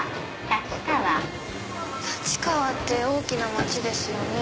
立川って大きな街ですよね。